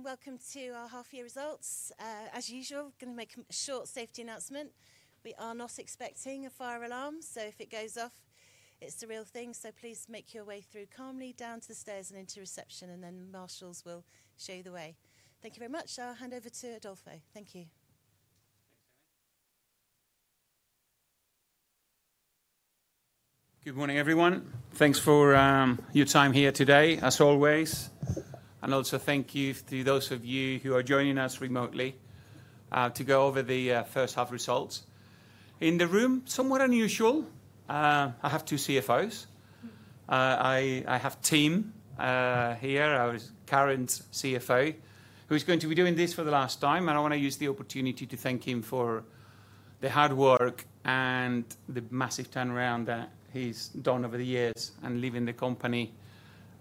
Welcome to our half-year results. As usual, I'm going to make a short safety announcement. We are not expecting a fire alarm, so if it goes off, it's a real thing. So please make your way through calmly down to the stairs and into reception, and then marshals will show you the way. Thank you very much. I'll hand over to Adolfo. Thank you. Good morning, everyone. Thanks for your time here today, as always. Also thank you to those of you who are joining us remotely to go over the first half results. In the room, somewhat unusual, I have two CFOs. I have Tim here. He's current CFO, who's going to be doing this for the last time. I want to use the opportunity to thank him for the hard work and the massive turnaround that he's done over the years and leaving the company.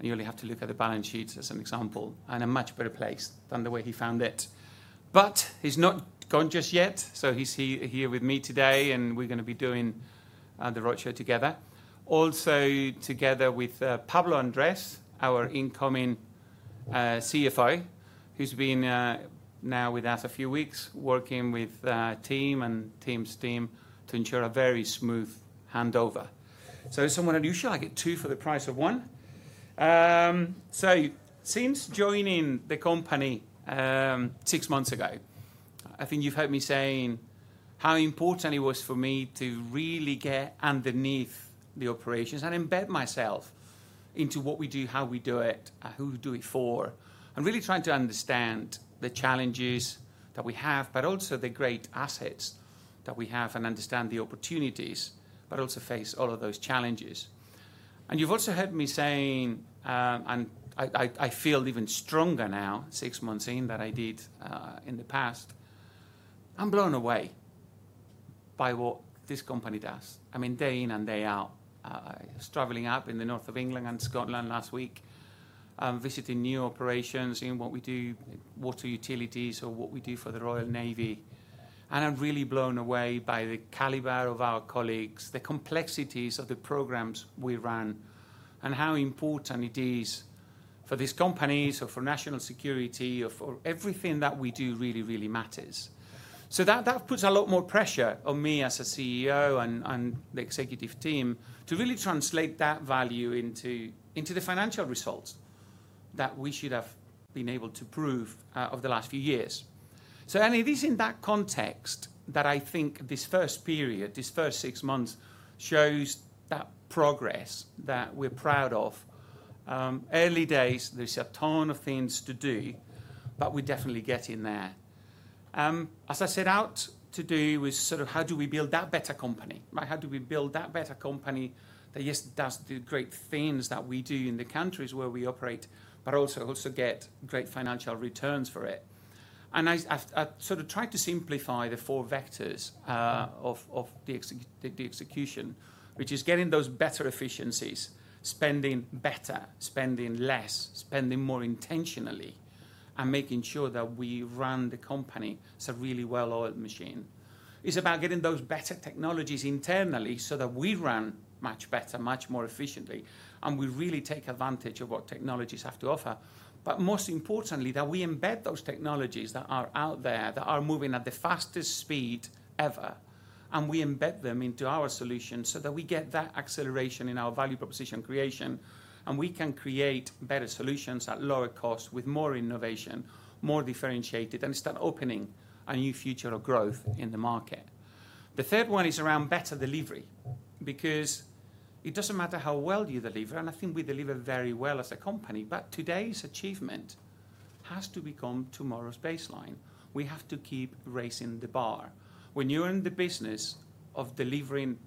You only have to look at the balance sheets, as an example, and a much better place than the way he found it. He's not gone just yet. He's here with me today, and we're going to be doing the roadshow together. Also together with Pablo Andres, our incoming CFO, who's been now with us a few weeks, working with Tim and Tim's team to ensure a very smooth handover. So it's somewhat unusual. I get two for the price of one. So since joining the company six months ago, I think you've heard me saying how important it was for me to really get underneath the operations and embed myself into what we do, how we do it, who we do it for, and really trying to understand the challenges that we have, but also the great assets that we have and understand the opportunities, but also face all of those challenges. And you've also heard me saying, and I feel even stronger now, six months in, than I did in the past, I'm blown away by what this company does. I mean, day in and day out. I was traveling up in the North of England and Scotland last week, visiting new operations in what we do, water utilities, or what we do for the Royal Navy. I'm really blown away by the caliber of our colleagues, the complexities of the programs we run, and how important it is for this company or for national security or for everything that we do really, really matters. That puts a lot more pressure on me as CEO and the executive team to really translate that value into the financial results that we should have been able to prove over the last few years. It is in that context that I think this first period, this first six months, shows that progress that we're proud of. Early days, there's a ton of things to do, but we're definitely getting there. As I said, our to-do was sort of how do we build that better company, right? How do we build that better company that just does the great things that we do in the countries where we operate, but also get great financial returns for it? I sort of tried to simplify the four vectors of the execution, which is getting those better efficiencies, spending better, spending less, spending more intentionally, and making sure that we run the company as a really well-oiled machine. It's about getting those better technologies internally so that we run much better, much more efficiently, and we really take advantage of what technologies have to offer. But most importantly, that we embed those technologies that are out there, that are moving at the fastest speed ever, and we embed them into our solutions so that we get that acceleration in our value proposition creation, and we can create better solutions at lower cost with more innovation, more differentiated, and start opening a new future of growth in the market. The third one is around better delivery, because it doesn't matter how well you deliver, and I think we deliver very well as a company, but today's achievement has to become tomorrow's baseline. We have to keep raising the bar. When you're in the business of delivering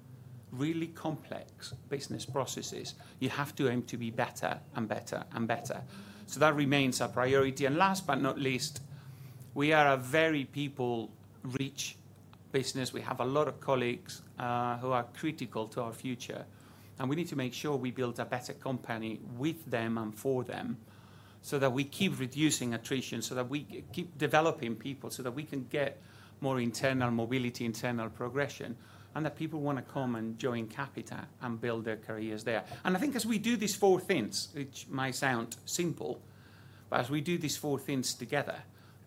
really complex business processes, you have to aim to be better and better and better. So that remains a priority. And last but not least, we are a very people-rich business. We have a lot of colleagues who are critical to our future, and we need to make sure we build a better company with them and for them so that we keep reducing attrition, so that we keep developing people, so that we can get more internal mobility, internal progression, and that people want to come and join Capita and build their careers there. I think as we do these four things, which might sound simple, but as we do these four things together,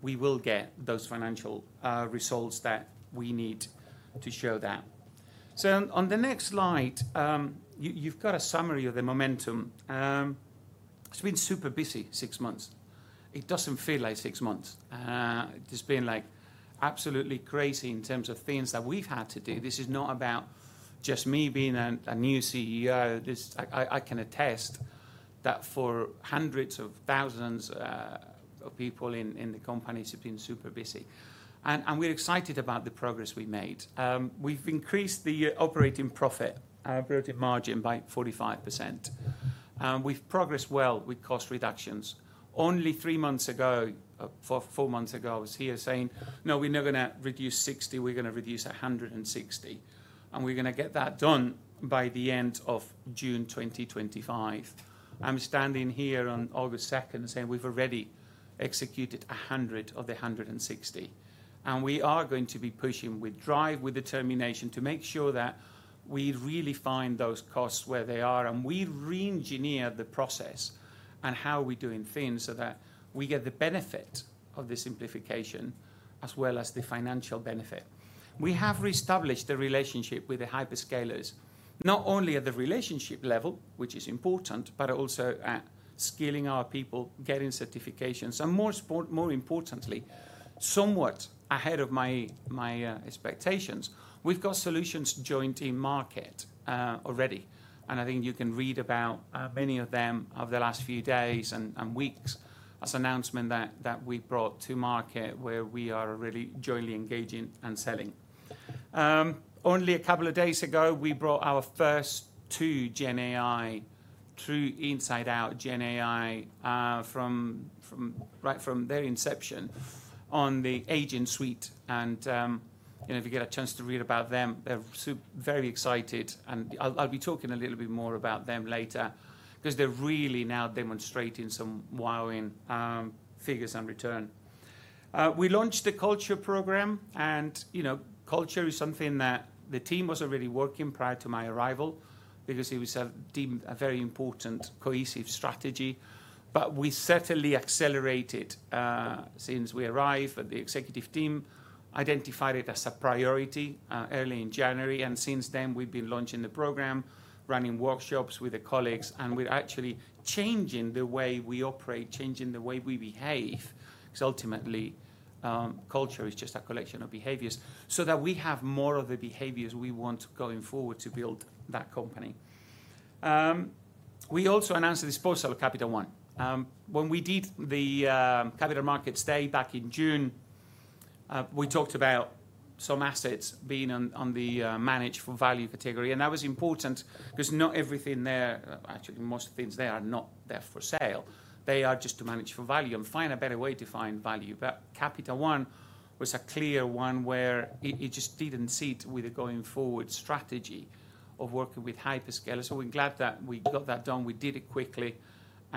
we will get those financial results that we need to show that. On the next slide, you've got a summary of the momentum. It's been super busy six months. It doesn't feel like six months. It's been absolutely crazy in terms of things that we've had to do. This is not about just me being a new CEO. I can attest that for hundreds of thousands of people in the company, it's been super busy. We're excited about the progress we made. We've increased the operating profit, operating margin by 45%. We've progressed well with cost reductions. Only three months ago, four months ago, I was here saying, no, we're not going to reduce 60. We're going to reduce 160. We're going to get that done by the end of June 2025. I'm standing here on August 2nd and saying we've already executed 100 of the 160. We are going to be pushing with drive, with determination to make sure that we really find those costs where they are, and we re-engineer the process and how we're doing things so that we get the benefit of the simplification as well as the financial benefit. We have reestablished the relationship with the hyperscalers, not only at the relationship level, which is important, but also at skilling our people, getting certifications. More importantly, somewhat ahead of my expectations, we've got solutions joined to market already. I think you can read about many of them over the last few days and weeks as an announcement that we brought to market where we are really jointly engaging and selling. Only a couple of days ago, we brought our first two GenAI, true inside-out GenAI, right from their inception on the agent suite. If you get a chance to read about them, they're very excited. I'll be talking a little bit more about them later because they're really now demonstrating some wowing figures and return. We launched the culture program. Culture is something that the team was already working on prior to my arrival because it was a very important cohesive strategy. We certainly accelerated since we arrived, but the executive team identified it as a priority early in January. Since then, we've been launching the program, running workshops with the colleagues, and we're actually changing the way we operate, changing the way we behave, because ultimately, culture is just a collection of behaviors so that we have more of the behaviors we want going forward to build that company. We also announced the disposal of Capita One. When we did the Capital Markets Day back in June, we talked about some assets being on the Managed for Value category. That was important because not everything there, actually most of the things there are not there for sale. They are just to manage for value and find a better way to find value. But Capita One was a clear one where it just didn't sit with the going forward strategy of working with hyperscalers. So we're glad that we got that done. We did it quickly.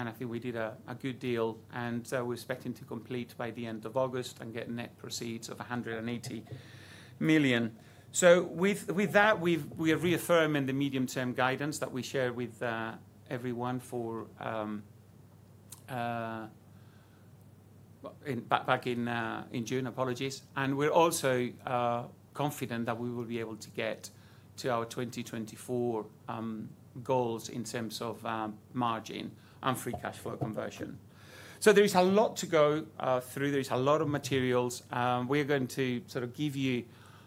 And I think we did a good deal. And so we're expecting to complete by the end of August and get net proceeds of 180 million. So with that, we are reaffirming the medium-term guidance that we shared with everyone back in June. Apologies. And we're also confident that we will be able to get to our 2024 goals in terms of margin and free cash flow conversion. So there is a lot to go through. There is a lot of materials. We are going to sort of give you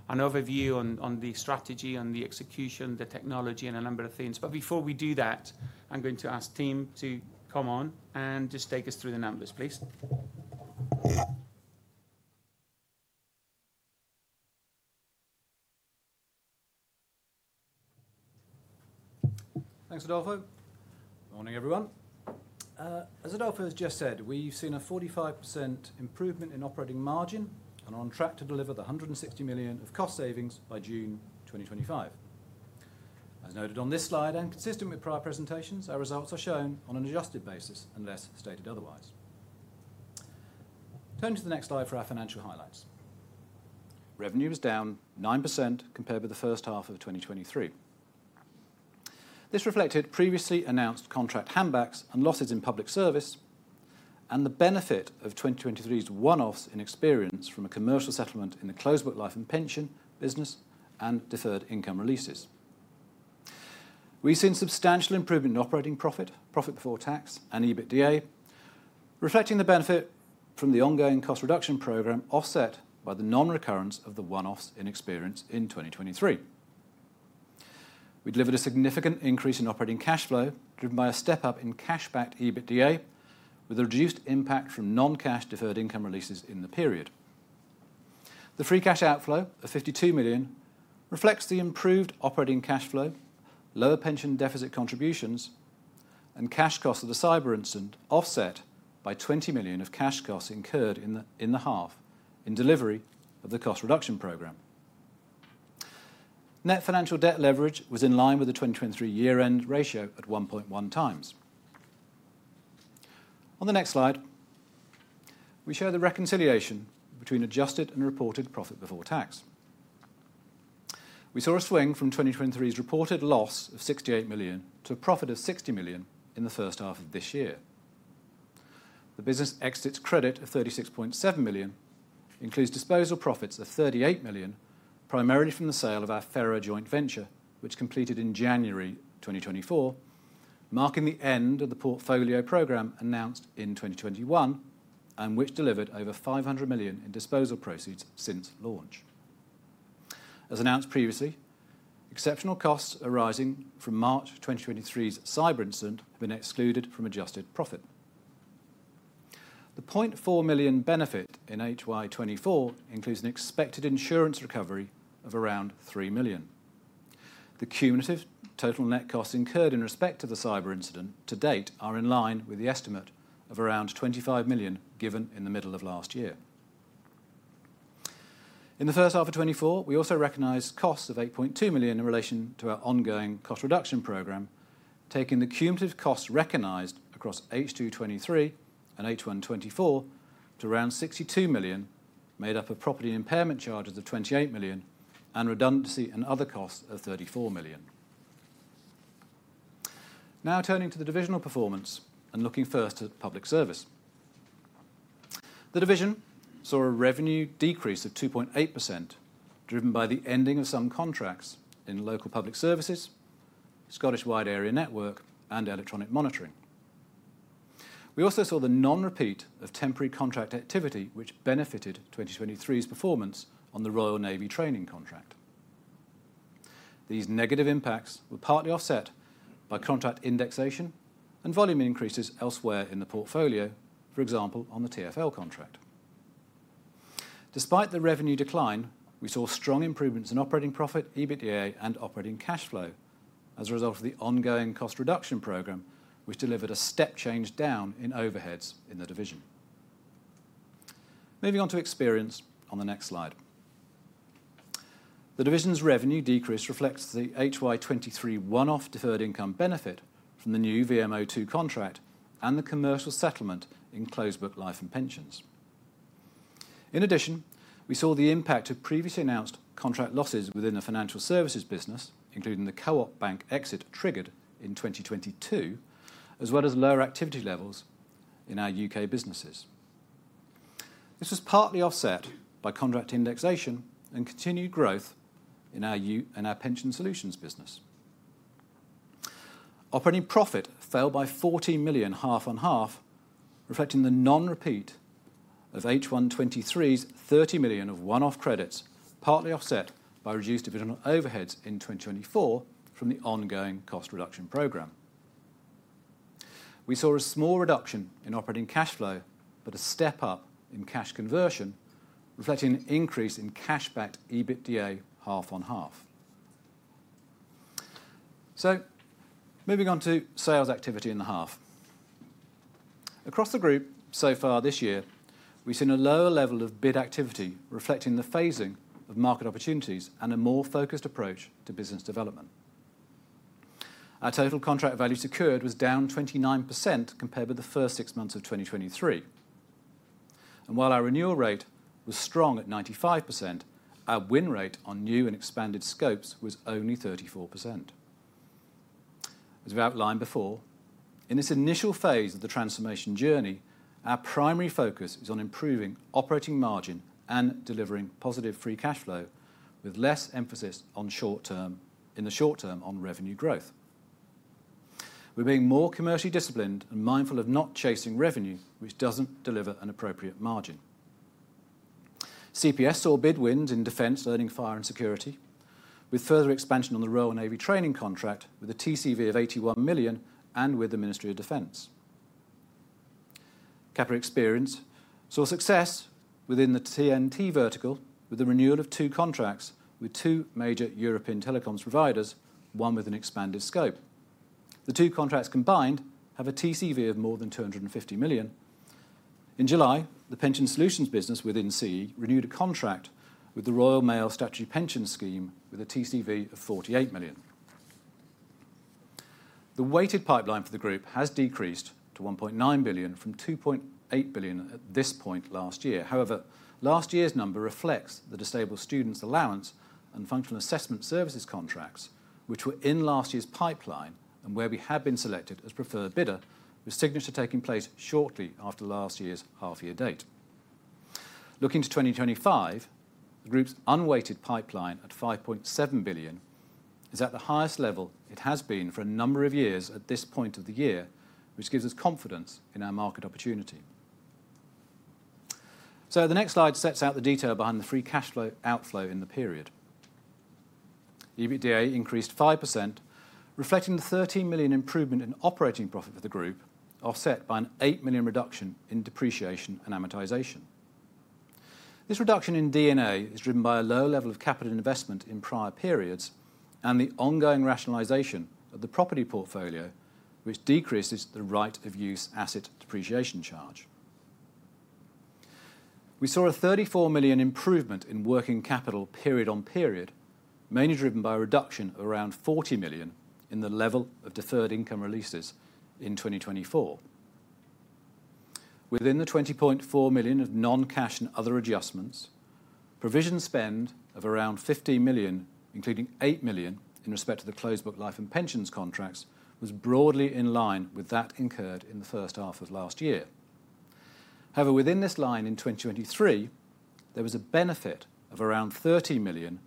an overview on the strategy, on the execution, the technology, and a number of things. But before we do that, I'm going to ask Tim to come on and just take us through the numbers, please. Thanks, Adolfo. Good morning, everyone. As Adolfo has just said, we've seen a 45% improvement in operating margin and are on track to deliver 160 million of cost savings by June 2025. As noted on this slide, and consistent with prior presentations, our results are shown on an adjusted basis unless stated otherwise. Turning to the next slide for our financial highlights. Revenue was down 9% compared with the first half of 2023. This reflected previously announced contract handbacks and losses in public service and the benefit of 2023's one-offs in experience from a commercial settlement in the closed book life and pension business and deferred income releases. We've seen substantial improvement in operating profit, profit before tax, and EBITDA, reflecting the benefit from the ongoing cost reduction program offset by the non-recurrence of the one-offs in experience in 2023. We delivered a significant increase in operating cash flow driven by a step-up in cash-backed EBITDA with a reduced impact from non-cash deferred income releases in the period. The free cash outflow of 52 million reflects the improved operating cash flow, lower pension deficit contributions, and cash costs of the cyber incident offset by 20 million of cash costs incurred in the half in delivery of the cost reduction program. Net financial debt leverage was in line with the 2023 year-end ratio at 1.1 times. On the next slide, we show the reconciliation between adjusted and reported profit before tax. We saw a swing from 2023's reported loss of 68 million to a profit of 60 million in the first half of this year. The business exits credit of 36.7 million includes disposal profits of 38 million, primarily from the sale of our Fera joint venture, which completed in January 2024, marking the end of the portfolio program announced in 2021 and which delivered over 500 million in disposal proceeds since launch. As announced previously, exceptional costs arising from March 2023's cyber incident have been excluded from adjusted profit. The 0.4 million benefit in HY 2024 includes an expected insurance recovery of around 3 million. The cumulative total net costs incurred with respect to the cyber incident to date are in line with the estimate of around 25 million given in the middle of last year. In the first half of 2024, we also recognized costs of 8.2 million in relation to our ongoing cost reduction program, taking the cumulative costs recognized across H2 2023 and H1 2024 to around 62 million, made up of property and impairment charges of 28 million, and redundancy and other costs of 34 million. Now turning to the divisional performance and looking first at public service. The division saw a revenue decrease of 2.8% driven by the ending of some contracts in local public services, Scottish Wide Area Network, and electronic monitoring. We also saw the non-repeat of temporary contract activity, which benefited 2023's performance on the Royal Navy training contract. These negative impacts were partly offset by contract indexation and volume increases elsewhere in the portfolio, for example, on the TfL contract. Despite the revenue decline, we saw strong improvements in operating profit, EBITDA, and operating cash flow as a result of the ongoing cost reduction program, which delivered a step change down in overheads in the division. Moving on to Experience on the next slide. The division's revenue decrease reflects the HY 2023 one-off deferred income benefit from the new VMO2 contract and the commercial settlement in closed book life and pensions. In addition, we saw the impact of previously announced contract losses within the financial services business, including the Co-op Bank exit triggered in 2022, as well as lower activity levels in our U.K. businesses. This was partly offset by contract indexation and continued growth in our Pension Solutions business. Operating profit fell by 14 million, half on half, reflecting the non-repeat of H1 2023 30 million of one-off credits, partly offset by reduced dividend overheads in 2024 from the ongoing cost reduction program. We saw a small reduction in operating cash flow, but a step up in cash conversion, reflecting an increase in cash-backed EBITDA, half on half. So moving on to sales activity in the half. Across the group so far this year, we've seen a lower level of bid activity, reflecting the phasing of market opportunities and a more focused approach to business development. Our total contract value secured was down 29% compared with the first six months of 2023. And while our renewal rate was strong at 95%, our win rate on new and expanded scopes was only 34%. As we've outlined before, in this initial phase of the transformation journey, our primary focus is on improving operating margin and delivering positive free cash flow with less emphasis in the short term on revenue growth. We're being more commercially disciplined and mindful of not chasing revenue, which doesn't deliver an appropriate margin. CPS saw bid wins in defence, learning, fire, and security, with further expansion on the Royal Navy training contract with a TCV of 81 million and with the Ministry of Defence. Capita Experience saw success within the TMT vertical with the renewal of two contracts with two major European telecoms providers, one with an expanded scope. The two contracts combined have a TCV of more than 250 million. In July, the Pension Solutions business within CE renewed a contract with the Royal Mail Statutory Pension Scheme with a TCV of 48 million. The weighted pipeline for the group has decreased to 1.9 billion from 2.8 billion at this point last year. However, last year's number reflects the Disabled Students' Allowance and Functional Assessment Services contracts, which were in last year's pipeline and where we had been selected as preferred bidder, with signature taking place shortly after last year's half-year date. Looking to 2025, the group's unweighted pipeline at 5.7 billion is at the highest level it has been for a number of years at this point of the year, which gives us confidence in our market opportunity. So the next slide sets out the detail behind the free cash flow outflow in the period. EBITDA increased 5%, reflecting the 13 million improvement in operating profit for the group, offset by an 8 million reduction in depreciation and amortization. This reduction in D&A is driven by a low level of capital investment in prior periods and the ongoing rationalization of the property portfolio, which decreases the right-of-use asset depreciation charge. We saw a 34 million improvement in working capital period-on-period, mainly driven by a reduction of around 40 million in the level of deferred income releases in 2024. Within the 20.4 million of non-cash and other adjustments, provision spend of around 15 million, including 8 million in respect to the closed-book life and pensions contracts, was broadly in line with that incurred in the first half of last year. However, within this line in 2023, there was a benefit of around 30 million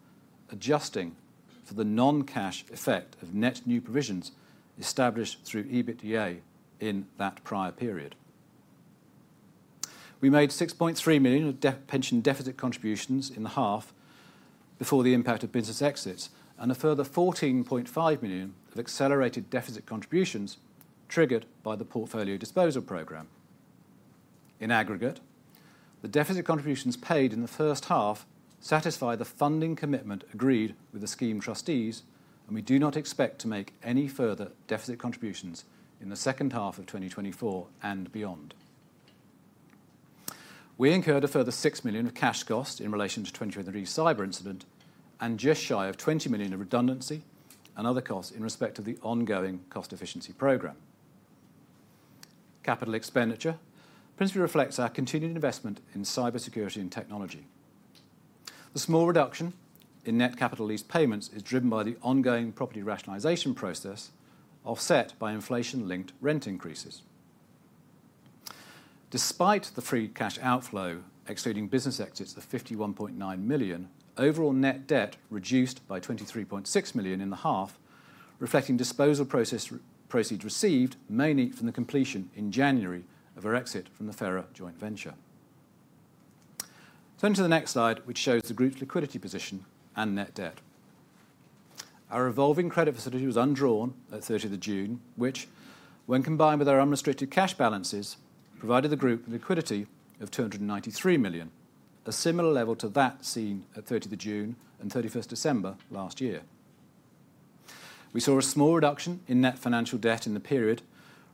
adjusting for the non-cash effect of net new provisions established through EBITDA in that prior period. We made 6.3 million of pension deficit contributions in the half before the impact of business exits and a further 14.5 million of accelerated deficit contributions triggered by the portfolio disposal program. In aggregate, the deficit contributions paid in the first half satisfy the funding commitment agreed with the scheme trustees, and we do not expect to make any further deficit contributions in the second half of 2024 and beyond. We incurred a further 6 million of cash costs in relation to 2023 cyber incident and just shy of 20 million of redundancy and other costs in respect of the ongoing cost efficiency program. Capital expenditure principally reflects our continued investment in cybersecurity and technology. The small reduction in net capital lease payments is driven by the ongoing property rationalization process offset by inflation-linked rent increases. Despite the free cash outflow exceeding business exits of 51.9 million, overall net debt reduced by 23.6 million in the half, reflecting disposal proceeds received mainly from the completion in January of our exit from the Fera joint venture. Turning to the next slide, which shows the group's liquidity position and net debt. Our revolving credit facility was undrawn at 30th of June, which, when combined with our unrestricted cash balances, provided the group liquidity of 293 million, a similar level to that seen at 30th of June and 31st December last year. We saw a small reduction in net financial debt in the period,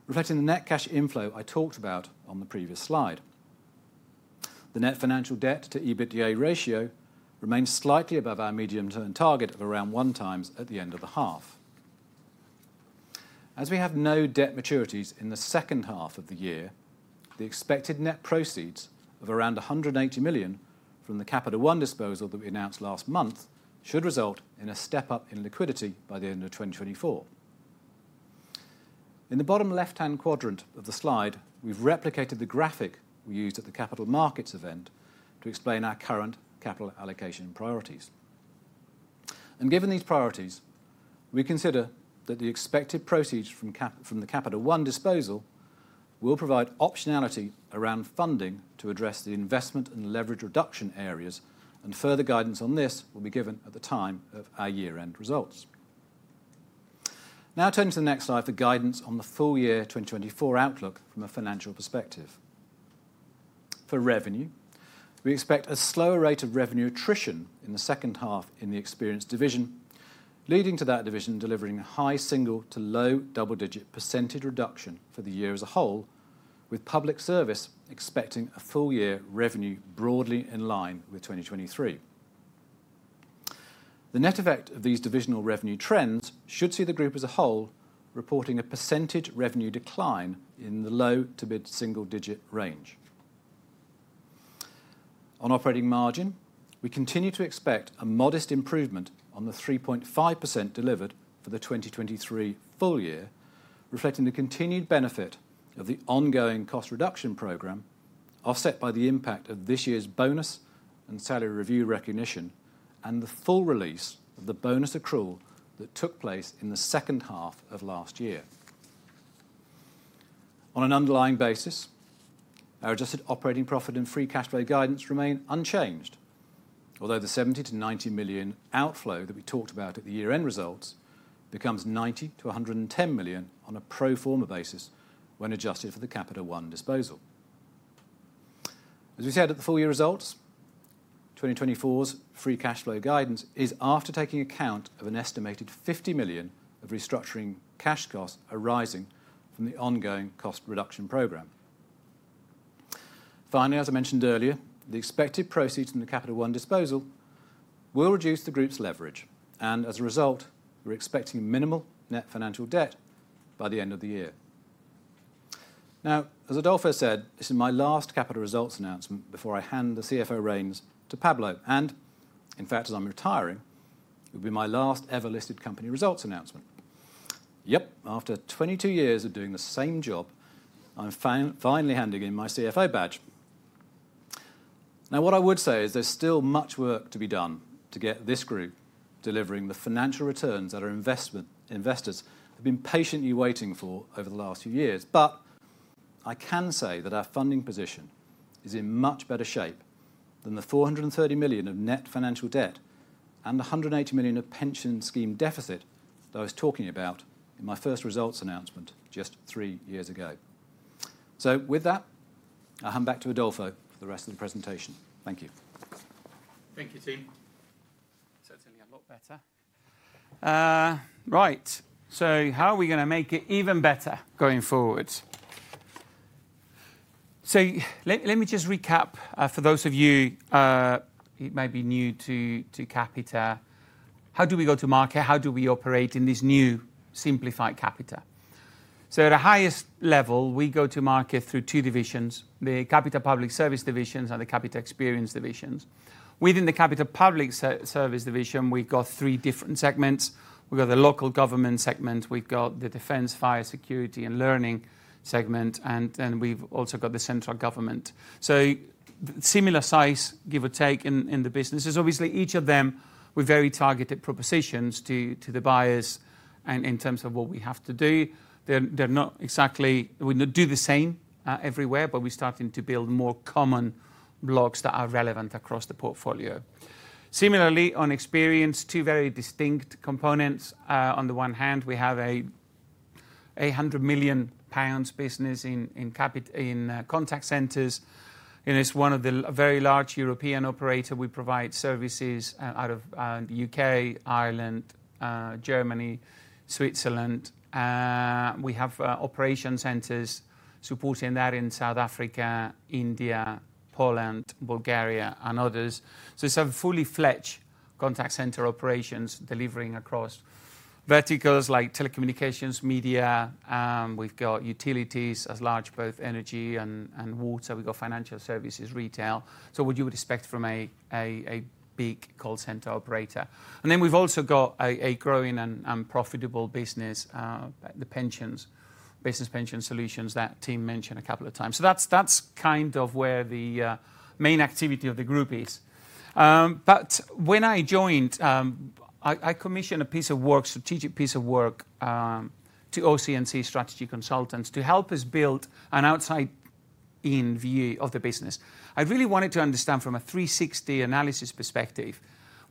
reflecting the net cash inflow I talked about on the previous slide. The net financial debt to EBITDA ratio remains slightly above our medium-term target of around one times at the end of the half. As we have no debt maturities in the second half of the year, the expected net proceeds of around 180 million from the Capita One disposal that we announced last month should result in a step-up in liquidity by the end of 2024. In the bottom left-hand quadrant of the slide, we've replicated the graphic we used at the Capital Markets Day event to explain our current capital allocation priorities. And given these priorities, we consider that the expected proceeds from the Capita One disposal will provide optionality around funding to address the investment and leverage reduction areas, and further guidance on this will be given at the time of our year-end results. Now turning to the next slide for guidance on the full year 2024 outlook from a financial perspective. For revenue, we expect a slower rate of revenue attrition in the second half in the Experience division, leading to that division delivering a high single- to low double-digit percentage reduction for the year as a whole, with Public Service expecting a full year revenue broadly in line with 2023. The net effect of these divisional revenue trends should see the group as a whole reporting a percentage revenue decline in the low to mid-single-digit range. On operating margin, we continue to expect a modest improvement on the 3.5% delivered for the 2023 full year, reflecting the continued benefit of the ongoing cost reduction program offset by the impact of this year's bonus and salary review recognition and the full release of the bonus accrual that took place in the second half of last year. On an underlying basis, our adjusted operating profit and free cash flow guidance remain unchanged, although the 70 million-90 million outflow that we talked about at the year-end results becomes 90 million-110 million on a pro forma basis when adjusted for the Capita One disposal. As we said at the full year results, 2024 free cash flow guidance is after taking account of an estimated 50 million of restructuring cash costs arising from the ongoing cost reduction program. Finally, as I mentioned earlier, the expected proceeds in the Capita One disposal will reduce the group's leverage, and as a result, we're expecting minimal net financial debt by the end of the year. Now, as Adolfo said, this is my last Capita Results announcement before I hand the CFO reins to Pablo, and in fact, as I'm retiring, it will be my last ever-listed company results announcement. Yep, after 22 years of doing the same job, I'm finally handing in my CFO badge. Now, what I would say is there's still much work to be done to get this group delivering the financial returns that our investors have been patiently waiting for over the last few years. But I can say that our funding position is in much better shape than the 430 million of net financial debt and 180 million of pension scheme deficit that I was talking about in my first results announcement just 3 years ago. So with that, I'll hand back to Adolfo for the rest of the presentation. Thank you. Thank you, Tim. Certainly a lot better. Right, so how are we going to make it even better going forward? So let me just recap for those of you who may be new to Capita. How do we go to market? How do we operate in this new simplified Capita? So at a highest level, we go to market through two divisions, the Capita Public Service division and the Capita Experience division. Within the Capita Public Service division, we've got three different segments. We've got the Local Government segment, we've got the Defence, Fire, Security and Learning segment, and then we've also got the Central Government. So similar size, give or take, in the businesses. Obviously, each of them with very targeted propositions to the buyers in terms of what we have to do. They're not exactly we don't do the same everywhere, but we're starting to build more common blocks that are relevant across the portfolio. Similarly, on experience, two very distinct components. On the one hand, we have a £100 million business in contact centers. It's one of the very large European operators. We provide services out of the U.K., Ireland, Germany, Switzerland. We have operation centers supporting that in South Africa, India, Poland, Bulgaria, and others. So some fully fledged contact center operations delivering across verticals like telecommunications, media. We've got utilities as large, both energy and water. We've got financial services, retail. So what you would expect from a big call center operator. And then we've also got a growing and profitable business, the pensions business, Pension Solutions that Tim mentioned a couple of times. So that's kind of where the main activity of the group is. But when I joined, I commissioned a piece of work, strategic piece of work to OC&C Strategy Consultants to help us build an outside-in view of the business. I really wanted to understand from a 360 analysis perspective,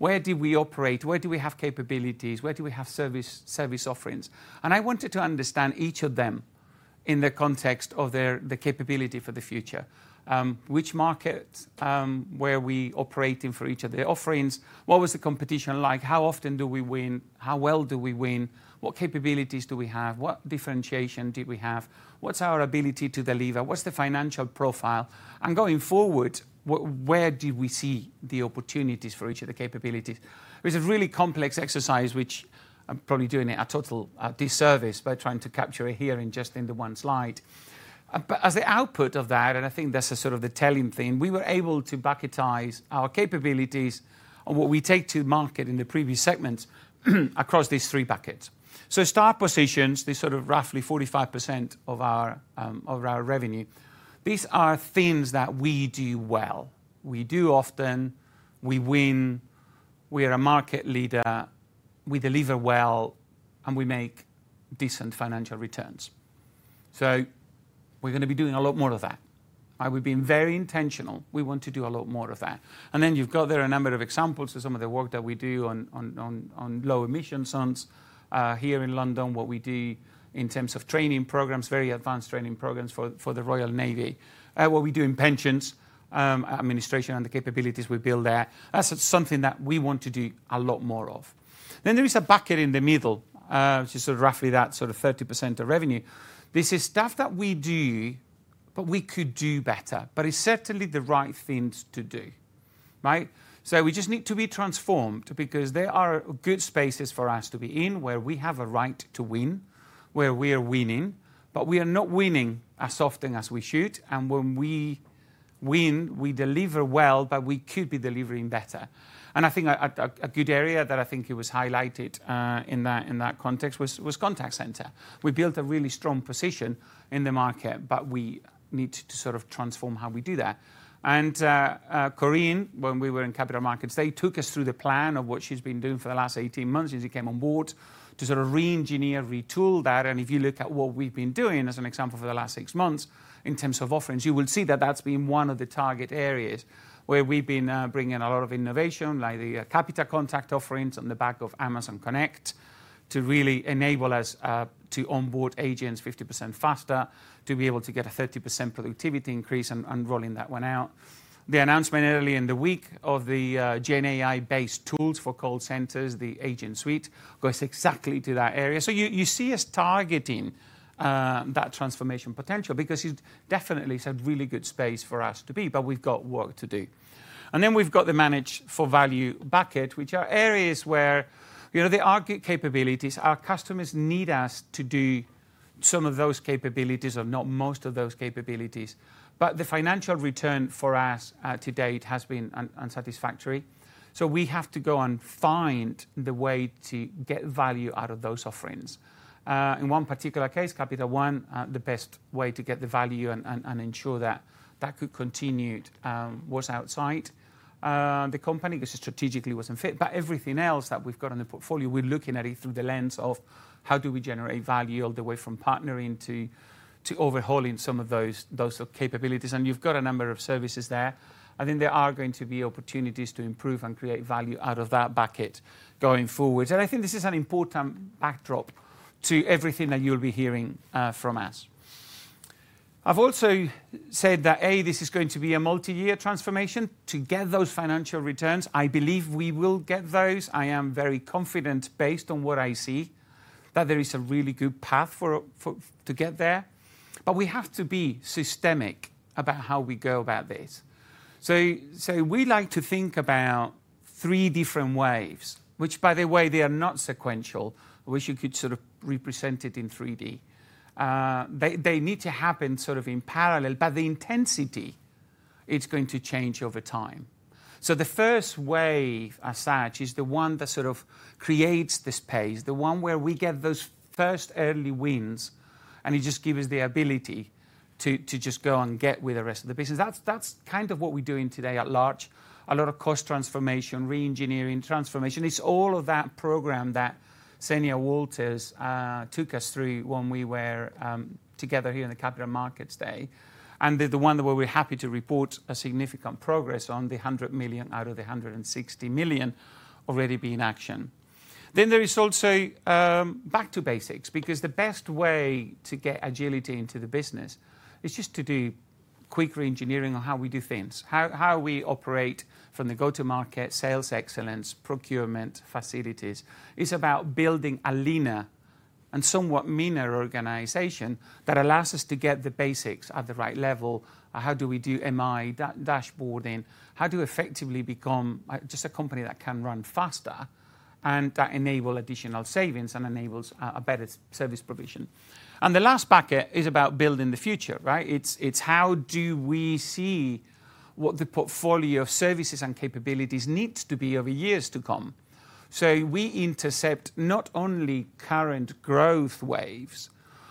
where did we operate? Where do we have capabilities? Where do we have service offerings? I wanted to understand each of them in the context of the capability for the future. Which markets were we operating for each of the offerings? What was the competition like? How often do we win? How well do we win? What capabilities do we have? What differentiation did we have? What's our ability to deliver? What's the financial profile? And going forward, where do we see the opportunities for each of the capabilities? It was a really complex exercise, which I'm probably doing a total disservice by trying to capture it here in just in the one slide. As the output of that, and I think that's sort of the telling thing, we were able to bucketize our capabilities on what we take to market in the previous segments across these three buckets. Star positions, they sort of roughly 45% of our revenue. These are things that we do well. We do often, we win, we are a market leader, we deliver well, and we make decent financial returns. So we're going to be doing a lot more of that. We've been very intentional. We want to do a lot more of that. And then you've got there a number of examples of some of the work that we do on low emission zones. Here in London, what we do in terms of training programs, very advanced training programs for the Royal Navy. What we do in pensions, administration, and the capabilities we build there, that's something that we want to do a lot more of. Then there is a bucket in the middle, which is sort of roughly that sort of 30% of revenue. This is stuff that we do, but we could do better, but it's certainly the right things to do. Right? So we just need to be transformed because there are good spaces for us to be in where we have a right to win, where we are winning, but we are not winning as often as we should. And when we win, we deliver well, but we could be delivering better. And I think a good area that I think it was highlighted in that context was contact center. We built a really strong position in the market, but we need to sort of transform how we do that. And Corinne, when we were in capital markets, they took us through the plan of what she's been doing for the last 18 months since she came on board to sort of re-engineer, retool that. If you look at what we've been doing as an example for the last six months in terms of offerings, you will see that that's been one of the target areas where we've been bringing a lot of innovation, like the Capita Contact offerings on the back of Amazon Connect to really enable us to onboard agents 50% faster, to be able to get a 30% productivity increase and rolling that one out. The announcement early in the week of the GenAI-based tools for call centers, the Capita Agent Suite, goes exactly to that area. You see us targeting that transformation potential because it definitely is a really good space for us to be, but we've got work to do. And then we've got the Managed for Value bucket, which are areas where the acquired capabilities, our customers need us to do some of those capabilities or not most of those capabilities, but the financial return for us to date has been unsatisfactory. So we have to go and find the way to get value out of those offerings. In one particular case, Capita One, the best way to get the value and ensure that that could continue was outside the company, because it strategically wasn't fit, but everything else that we've got on the portfolio, we're looking at it through the lens of how do we generate value all the way from partnering to overhauling some of those capabilities. And you've got a number of services there. I think there are going to be opportunities to improve and create value out of that bucket going forward. I think this is an important backdrop to everything that you'll be hearing from us. I've also said that, A, this is going to be a multi-year transformation to get those financial returns. I believe we will get those. I am very confident based on what I see that there is a really good path to get there. But we have to be systemic about how we go about this. So we like to think about three different waves, which, by the way, they are not sequential, which you could sort of represent it in 3D. They need to happen sort of in parallel, but the intensity is going to change over time. So the first wave as such is the one that sort of creates this pace, the one where we get those first early wins, and it just gives us the ability to just go and get with the rest of the business. That's kind of what we're doing today at large. A lot of cost transformation, re-engineering, transformation. It's all of that program that Xenia Walters took us through when we were together here in the Capital Markets Day. And the one that we're happy to report a significant progress on, the 100 million out of the 160 million already be in action. Then there is also back to basics because the best way to get agility into the business is just to do quick re-engineering on how we do things, how we operate from the go-to-market, sales excellence, procurement, facilities. It's about building a leaner and somewhat meaner organization that allows us to get the basics at the right level. How do we do MI dashboarding? How do we effectively become just a company that can run faster and that enables additional savings and enables a better service provision? And the last bucket is about building the future, right? It's how do we see what the portfolio of services and capabilities needs to be over years to come. So we intercept not only current growth waves,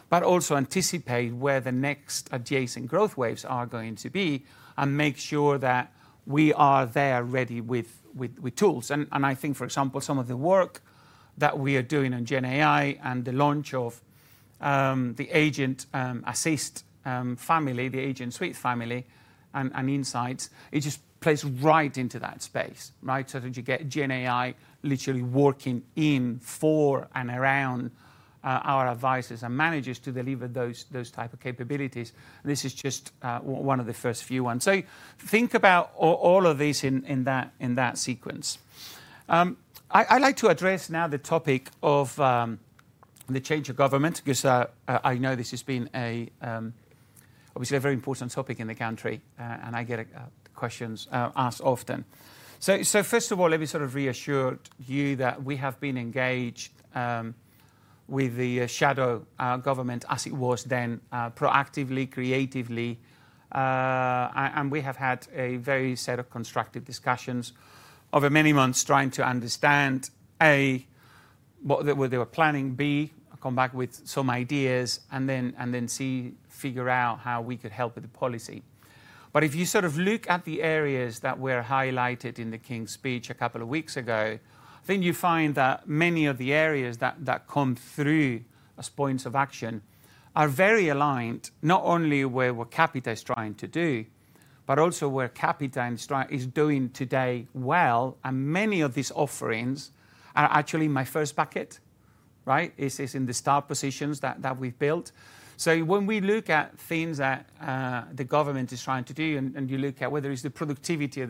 but also anticipate where the next adjacent growth waves are going to be and make sure that we are there ready with tools. And I think, for example, some of the work that we are doing on GenAI and the launch of the Agent Assist family, the Agent Suite family, and Insights, it just plays right into that space, right? So that you get GenAI literally working in for and around our advisors and managers to deliver those type of capabilities. This is just one of the first few ones. So think about all of these in that sequence. I'd like to address now the topic of the change of government because I know this has been obviously a very important topic in the country, and I get questions asked often. So first of all, let me sort of reassure you that we have been engaged with the shadow government as it was then, proactively, creatively. And we have had a very good set of constructive discussions over many months trying to understand A, what they were planning, B, come back with some ideas, and then C, figure out how we could help with the policy. But if you sort of look at the areas that were highlighted in the King's Speech a couple of weeks ago, then you find that many of the areas that come through as points of action are very aligned, not only where we're Capita is trying to do, but also where Capita is doing today well. And many of these offerings are actually my first bucket, right? It's in the star positions that we've built. So when we look at things that the government is trying to do and you look at whether it's the productivity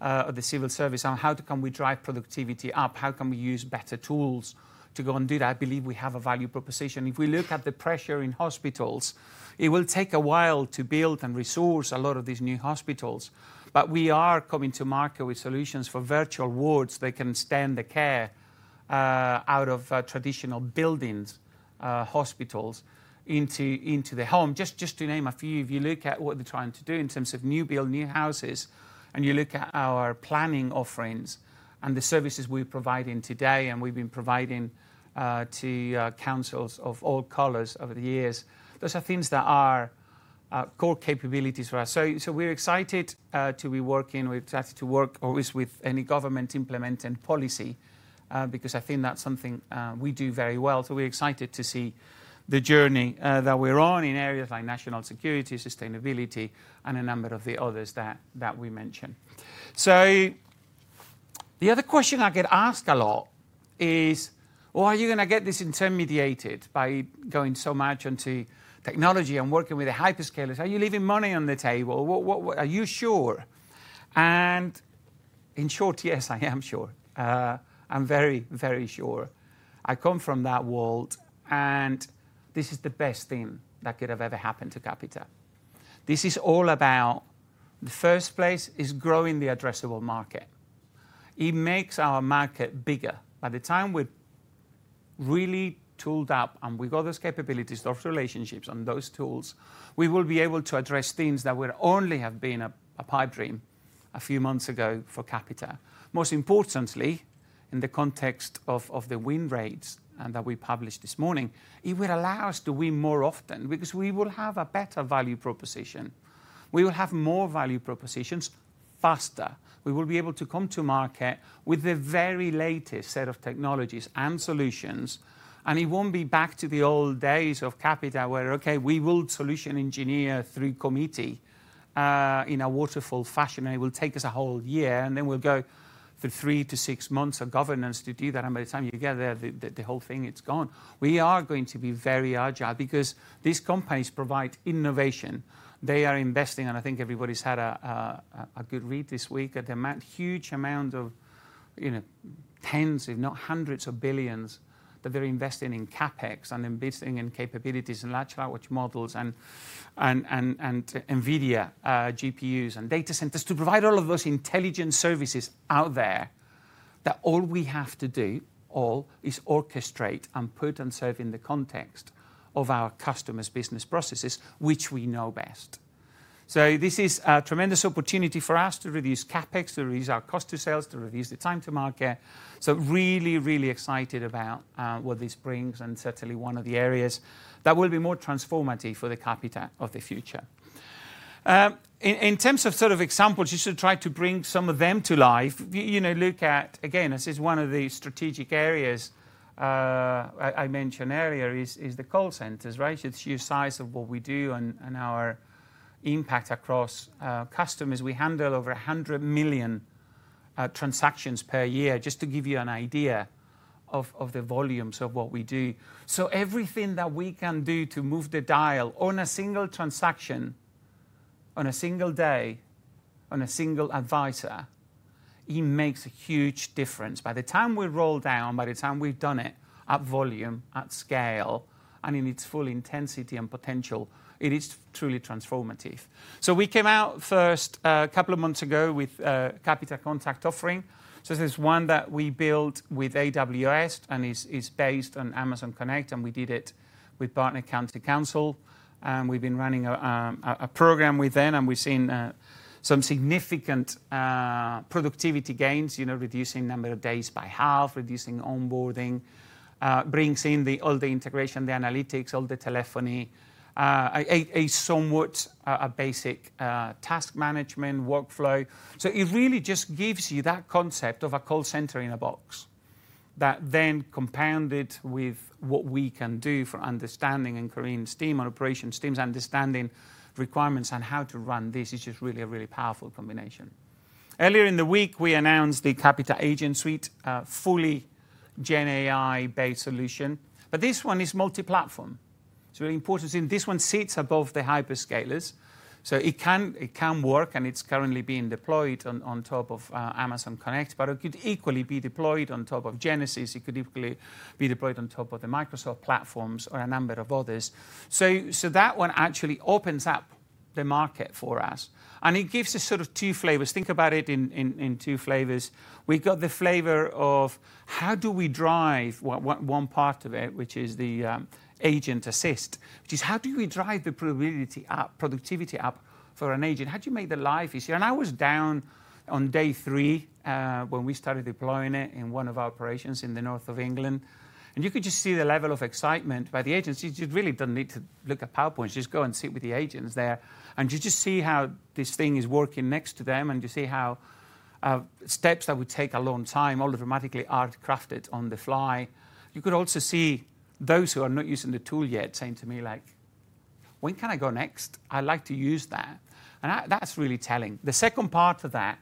of the Civil Service and how can we drive productivity up, how can we use better tools to go and do that, I believe we have a value proposition. If we look at the pressure in hospitals, it will take a while to build and resource a lot of these new hospitals. But we are coming to market with solutions for virtual wards that can extend the care out of traditional buildings, hospitals into the home. Just to name a few, if you look at what they're trying to do in terms of new build, new houses, and you look at our planning offerings and the services we're providing today and we've been providing to councils of all colors over the years, those are things that are core capabilities for us. So we're excited to be working with, excited to work always with any government implementing policy because I think that's something we do very well. So we're excited to see the journey that we're on in areas like national security, sustainability, and a number of the others that we mentioned. So the other question I get asked a lot is, well, are you going to get this intermediated by going so much into technology and working with hyperscalers? Are you leaving money on the table? Are you sure? And in short, yes, I am sure. I'm very, very sure. I come from that world, and this is the best thing that could have ever happened to Capita. This is all about the first place is growing the addressable market. It makes our market bigger. By the time we're really tooled up and we've got those capabilities, those relationships, and those tools, we will be able to address things that would only have been a pipe dream a few months ago for Capita. Most importantly, in the context of the win rates that we published this morning, it will allow us to win more often because we will have a better value proposition. We will have more value propositions faster. We will be able to come to market with the very latest set of technologies and solutions. And it won't be back to the old days of Capita where, okay, we will solution engineer through committee in a waterfall fashion, and it will take us a whole year, and then we'll go through three to six months of governance to do that. And by the time you get there, the whole thing is gone. We are going to be very agile because these companies provide innovation. They are investing, and I think everybody's had a good read this week at the huge amount of tens, if not hundreds, of billions that they're investing in CapEx and investing in capabilities and large language models and NVIDIA GPUs and data centers to provide all of those intelligent services out there that all we have to do all is orchestrate and put and serve in the context of our customers' business processes, which we know best. So this is a tremendous opportunity for us to reduce CapEx, to reduce our cost of sales, to reduce the time to market. So really, really excited about what this brings and certainly one of the areas that will be more transformative for the Capita of the future. In terms of sort of examples, you should try to bring some of them to life. Look at, again, this is one of the strategic areas I mentioned earlier is the call centers, right? It's the size of what we do and our impact across customers. We handle over 100 million transactions per year, just to give you an idea of the volumes of what we do. So everything that we can do to move the dial on a single transaction, on a single day, on a single advisor, it makes a huge difference. By the time we roll down, by the time we've done it at volume, at scale, and in its full intensity and potential, it is truly transformative. So we came out first a couple of months ago with Capita Contact offering. So this is one that we built with AWS and is based on Amazon Connect, and we did it with Barnet County Council. We've been running a program with them, and we've seen some significant productivity gains, reducing number of days by half, reducing onboarding, brings in all the integration, the analytics, all the telephony, a somewhat basic task management workflow. So it really just gives you that concept of a call center in a box that then compounded with what we can do for understanding customer stream and operation teams understanding requirements and how to run this is just really a really powerful combination. Earlier in the week, we announced the Capita Agent Suite, a fully GenAI-based solution, but this one is multi-platform. It's really important to see. This one sits above the hyperscalers. So it can work, and it's currently being deployed on top of Amazon Connect, but it could equally be deployed on top of Genesys. It could equally be deployed on top of the Microsoft platforms or a number of others. So that one actually opens up the market for us, and it gives us sort of two flavors. Think about it in two flavors. We've got the flavor of how do we drive one part of it, which is the Agent Assist, which is how do we drive the productivity up for an agent? How do you make the life easier? And I was down on day three when we started deploying it in one of our operations in the north of England. And you could just see the level of excitement by the agents. You really don't need to look at PowerPoints. Just go and sit with the agents there. You just see how this thing is working next to them, and you see how steps that would take a long time all dramatically are crafted on the fly. You could also see those who are not using the tool yet saying to me, like, when can I go next? I'd like to use that. And that's really telling. The second part of that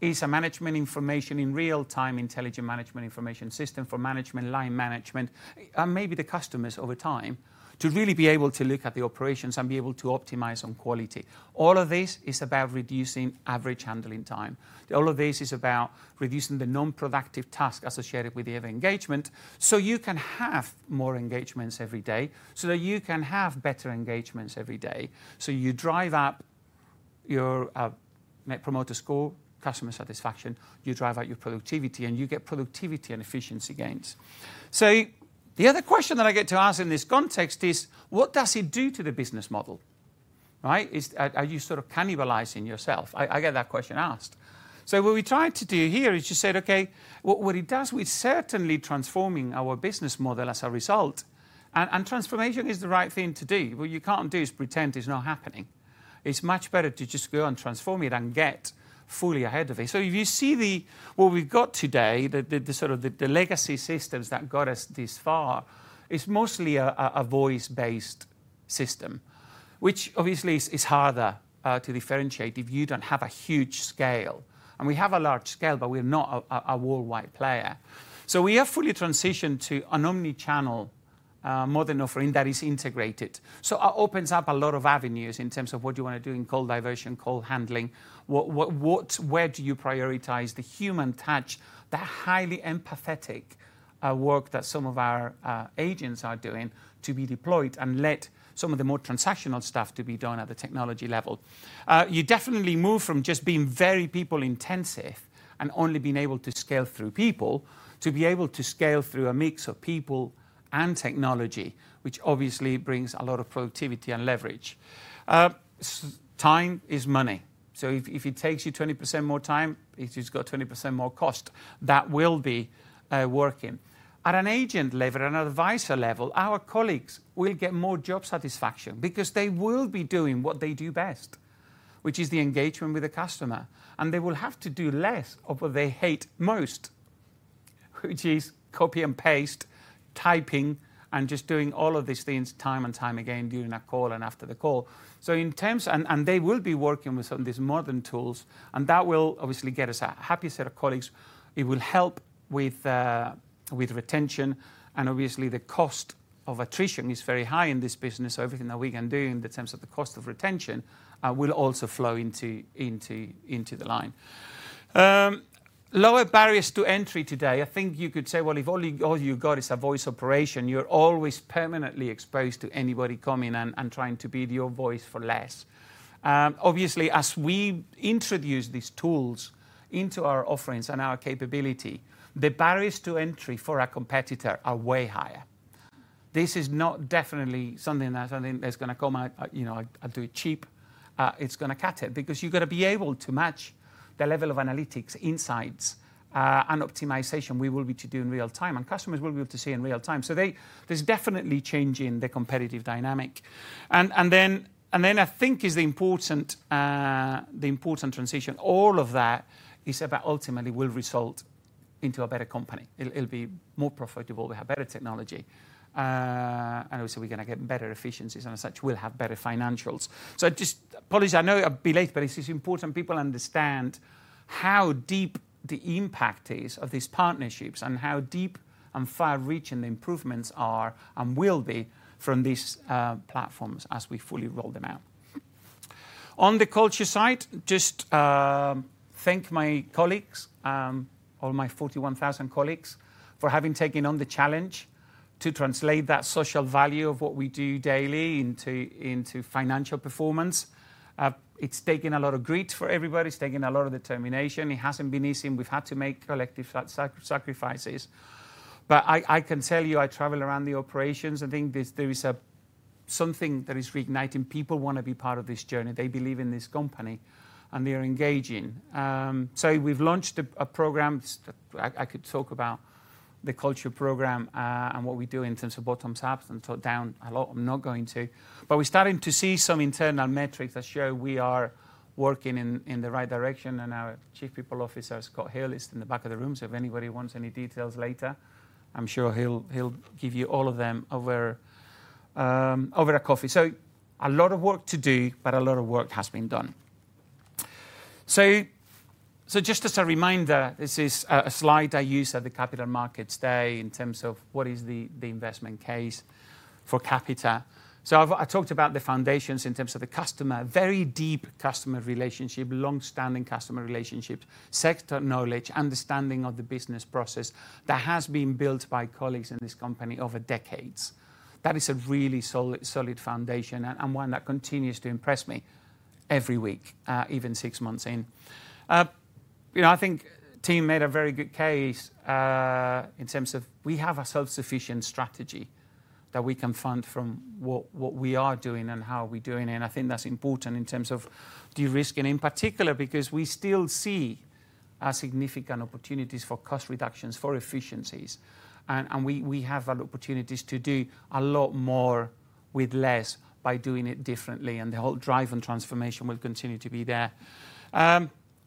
is a management information in real-time intelligent management information system for management, line management, and maybe the customers over time to really be able to look at the operations and be able to optimize on quality. All of this is about reducing average handling time. All of this is about reducing the non-productive task associated with the other engagement so you can have more engagements every day so that you can have better engagements every day. So you drive up your net promoter score, customer satisfaction, you drive out your productivity, and you get productivity and efficiency gains. So the other question that I get to ask in this context is, what does it do to the business model? Right? Are you sort of cannibalizing yourself? I get that question asked. So what we tried to do here is just said, okay, what it does, we're certainly transforming our business model as a result. And transformation is the right thing to do. What you can't do is pretend it's not happening. It's much better to just go and transform it and get fully ahead of it. So if you see what we've got today, the legacy systems that got us this far, it's mostly a voice-based system, which obviously is harder to differentiate if you don't have a huge scale. We have a large scale, but we're not a worldwide player. We have fully transitioned to an omnichannel model offering that is integrated. It opens up a lot of avenues in terms of what you want to do in call diversion, call handling. Where do you prioritize the human touch, the highly empathetic work that some of our agents are doing to be deployed and let some of the more transactional stuff to be done at the technology level? You definitely move from just being very people-intensive and only being able to scale through people to be able to scale through a mix of people and technology, which obviously brings a lot of productivity and leverage. Time is money. If it takes you 20% more time, it's just got 20% more cost that will be working. At an agent level, at an advisor level, our colleagues will get more job satisfaction because they will be doing what they do best, which is the engagement with the customer. They will have to do less of what they hate most, which is copy and paste, typing, and just doing all of these things time and time again during a call and after the call. So in terms of, they will be working with some of these modern tools, and that will obviously get us a happier set of colleagues. It will help with retention. The cost of attrition is very high in this business. Everything that we can do in terms of the cost of retention will also flow into the line. Lower barriers to entry today. I think you could say, well, if all you've got is a voice operation, you're always permanently exposed to anybody coming and trying to be your voice for less. Obviously, as we introduce these tools into our offerings and our capability, the barriers to entry for our competitor are way higher. This is not definitely something that I think is going to come out and do it cheap. It's going to cut it because you've got to be able to match the level of analytics, insights, and optimization we will be to do in real time, and customers will be able to see in real time. So there's definitely changing the competitive dynamic. And then I think is the important transition. All of that is about ultimately will result into a better company. It'll be more profitable. We have better technology. Obviously, we're going to get better efficiencies and such. We'll have better financials. Just apologies, I know I'll be late, but it's important people understand how deep the impact is of these partnerships and how deep and far-reaching the improvements are and will be from these platforms as we fully roll them out. On the culture side, just thank my colleagues, all my 41,000 colleagues for having taken on the challenge to translate that social value of what we do daily into financial performance. It's taken a lot of grit for everybody. It's taken a lot of determination. It hasn't been easy. We've had to make collective sacrifices. But I can tell you, I travel around the operations. I think there is something that is reigniting. People want to be part of this journey. They believe in this company, and they are engaging. We've launched a program. I could talk about the culture program and what we do in terms of bottoms up and talk down a lot. I'm not going to. But we're starting to see some internal metrics that show we are working in the right direction. And our Chief People Officer, Scott Hill, in the back of the room. So if anybody wants any details later, I'm sure he'll give you all of them over a coffee. So a lot of work to do, but a lot of work has been done. So just as a reminder, this is a slide I use at the Capital Markets Day in terms of what is the investment case for Capita. So I talked about the foundations in terms of the customer, very deep customer relationship, long-standing customer relationships, sector knowledge, understanding of the business process that has been built by colleagues in this company over decades. That is a really solid foundation and one that continues to impress me every week, even six months in. I think team made a very good case in terms of we have a self-sufficient strategy that we can fund from what we are doing and how we're doing it. And I think that's important in terms of de-risking, in particular, because we still see significant opportunities for cost reductions, for efficiencies. And we have opportunities to do a lot more with less by doing it differently. And the whole drive and transformation will continue to be there.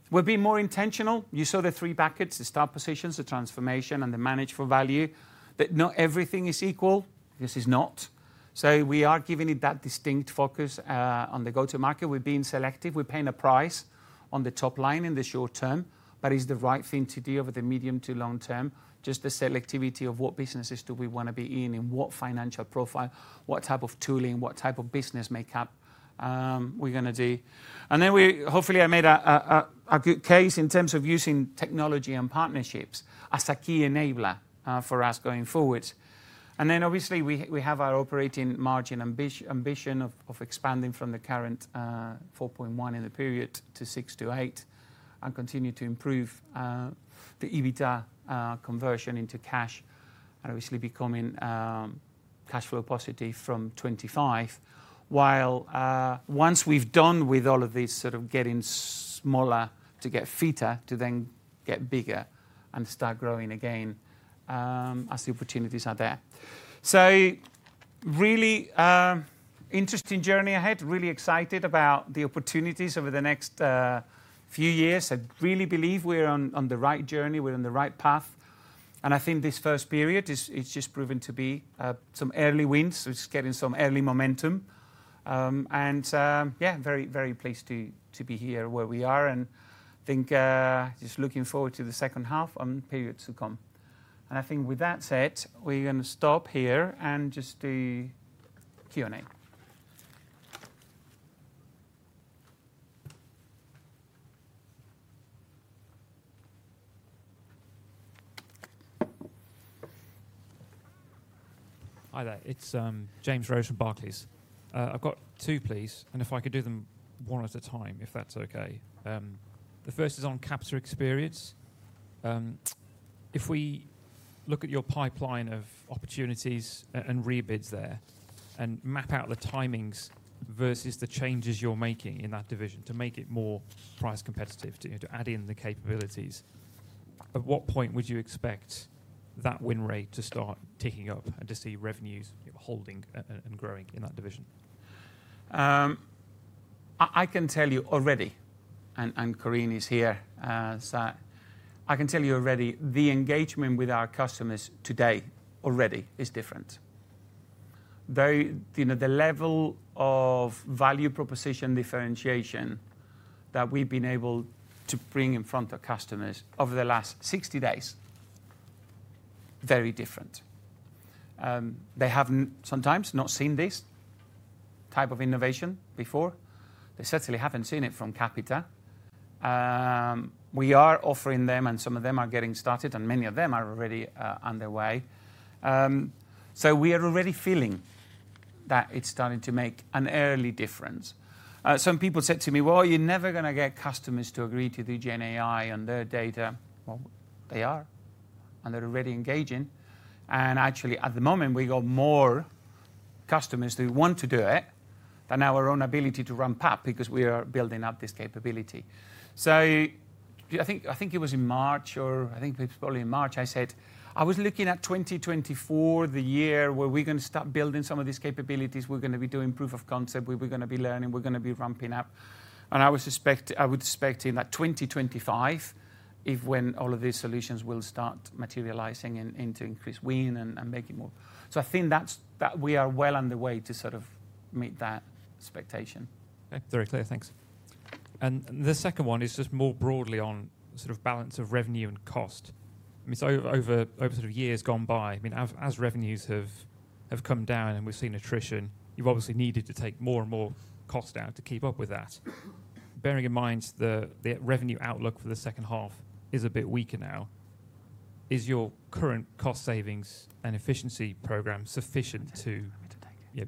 We're being more intentional. You saw the three buckets, the strategic positions, the transformation, and the Managed for Value. Not everything is equal. This is not. So we are giving it that distinct focus on the go-to-market. We're being selective. We're paying a price on the top line in the short term, but it's the right thing to do over the medium to long term, just the selectivity of what businesses do we want to be in, in what financial profile, what type of tooling, what type of business makeup we're going to do. Then hopefully I made a good case in terms of using technology and partnerships as a key enabler for us going forward. Then obviously we have our operating margin ambition of expanding from the current 4.1% in the period to 6%-8% and continue to improve the EBITDA conversion into cash and obviously becoming cash flow positive from 2025. While once we've done with all of these sort of getting smaller to get fitter to then get bigger and start growing again as the opportunities are there. So really interesting journey ahead. Really excited about the opportunities over the next few years. I really believe we're on the right journey. We're on the right path. And I think this first period, it's just proven to be some early wins. It's getting some early momentum. And yeah, very pleased to be here where we are. And I think just looking forward to the second half and periods to come. And I think with that said, we're going to stop here and just do Q&A. Hi there. It's James Rose, Barclays. I've got two pleas, and if I could do them one at a time if that's okay. The first is on Capita Experience. If we look at your pipeline of opportunities and rebids there and map out the timings versus the changes you're making in that division to make it more price competitive to add in the capabilities, at what point would you expect that win rate to start ticking up and to see revenues holding and growing in that division? I can tell you already, and Corinne is here, I can tell you already the engagement with our customers today already is different. The level of value proposition differentiation that we've been able to bring in front of customers over the last 60 days is very different. They have sometimes not seen this type of innovation before. They certainly haven't seen it from Capita. We are offering them, and some of them are getting started, and many of them are already underway. So we are already feeling that it's starting to make an early difference. Some people said to me, "Well, you're never going to get customers to agree to the GenAI and their data." Well, they are, and they're already engaging. And actually, at the moment, we got more customers who want to do it than our own ability to ramp up because we are building up this capability. So I think it was in March or I think it was probably in March, I said, "I was looking at 2024, the year where we're going to start building some of these capabilities. We're going to be doing proof of concept. We're going to be learning. We're going to be ramping up." And I would expect in that 2025 is when all of these solutions will start materializing into increased win and making more. So I think that we are well on the way to sort of meet that expectation. Very clear. Thanks. And the second one is just more broadly on sort of balance of revenue and cost. I mean, so over sort of years gone by, I mean, as revenues have come down and we've seen attrition, you've obviously needed to take more and more cost out to keep up with that. Bearing in mind the revenue outlook for the second half is a bit weaker now, is your current cost savings and efficiency program sufficient to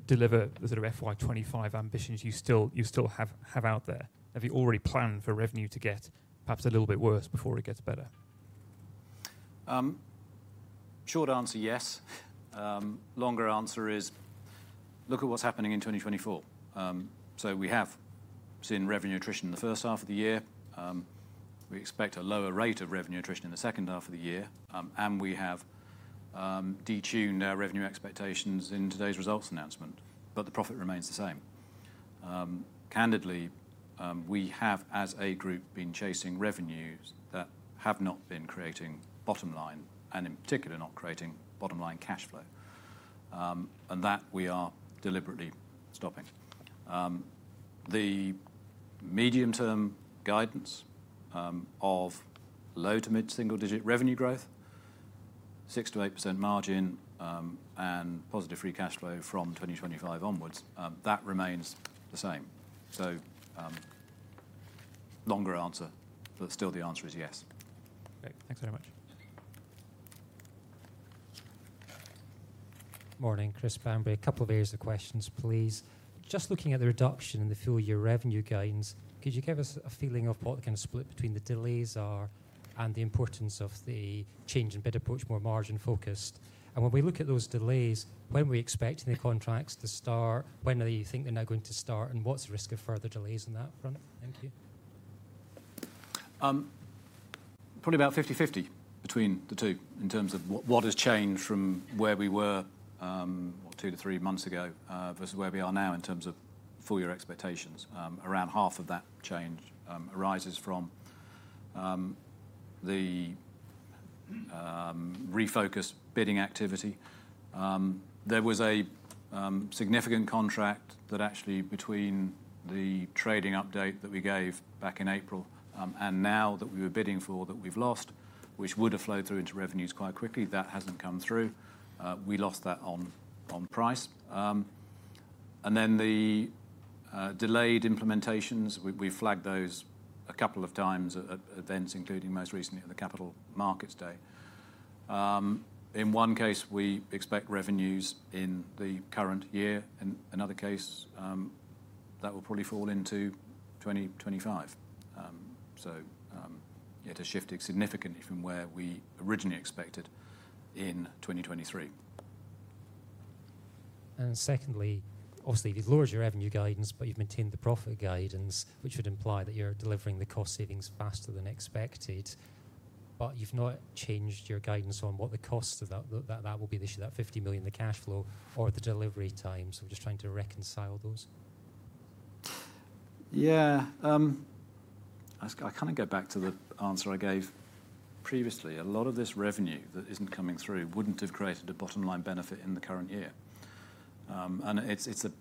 deliver the sort of FY 2025 ambitions you still have out there? Have you already planned for revenue to get perhaps a little bit worse before it gets better? Short answer, yes. Longer answer is look at what's happening in 2024. So we have seen revenue attrition in the first half of the year. We expect a lower rate of revenue attrition in the second half of the year. We have detuned our revenue expectations in today's results announcement, but the profit remains the same. Candidly, we have as a group been chasing revenues that have not been creating bottom line and in particular not creating bottom line cash flow. That we are deliberately stopping. The medium-term guidance of low to mid-single-digit revenue growth, 6%-8% margin, and positive free cash flow from 2025 onwards, that remains the same. So longer answer, but still the answer is yes. Okay. Thanks very much. Morning, Chris Bamberry. A couple of areas of questions, please. Just looking at the reduction in the full year revenue gains, could you give us a feeling of what the kind of split between the delays are and the importance of the change in bid approach, more margin-focused? When we look at those delays, when are we expecting the contracts to start? When do you think they're now going to start? And what's the risk of further delays on that front? Thank you. Probably about 50/50 between the two in terms of what has changed from where we were 2-3 months ago versus where we are now in terms of full year expectations. Around half of that change arises from the refocused bidding activity. There was a significant contract that actually between the trading update that we gave back in April and now that we were bidding for that we've lost, which would have flowed through into revenues quite quickly, that hasn't come through. We lost that on price. And then the delayed implementations, we've flagged those a couple of times at events, including most recently at the Capital Markets Day. In one case, we expect revenues in the current year. In another case, that will probably fall into 2025. So it has shifted significantly from where we originally expected in 2023. And secondly, obviously, you've lowered your revenue guidance, but you've maintained the profit guidance, which would imply that you're delivering the cost savings faster than expected. But you've not changed your guidance on what the cost of that will be this year, that 50 million in the cash flow or the delivery time. So we're just trying to reconcile those. Yeah. I kind of go back to the answer I gave previously. A lot of this revenue that isn't coming through wouldn't have created a bottom line benefit in the current year. And it's a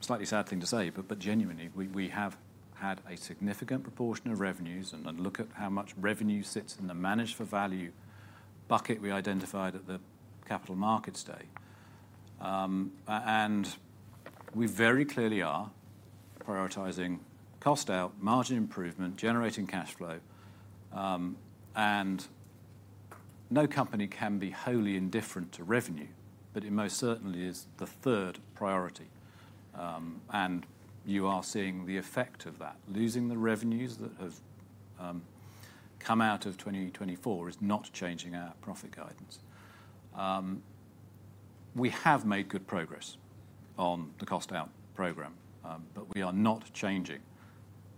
slightly sad thing to say, but genuinely, we have had a significant proportion of revenues. Look at how much revenue sits in the Managed for Value bucket we identified at the Capital Markets Day. We very clearly are prioritizing cost out, margin improvement, generating cash flow. No company can be wholly indifferent to revenue, but it most certainly is the third priority. You are seeing the effect of that. Losing the revenues that have come out of 2024 is not changing our profit guidance. We have made good progress on the cost out program, but we are not changing